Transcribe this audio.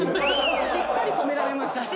しっかり止められましたから。